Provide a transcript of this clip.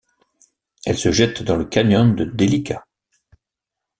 Elle se jette dans le canyon de Delika.